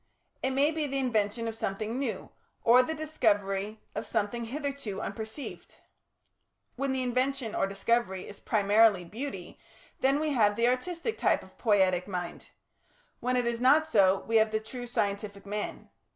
It may be the invention of something new or the discovery of something hitherto unperceived. When the invention or discovery is primarily beauty then we have the artistic type of Poietic mind; when it is not so, we have the true scientific man.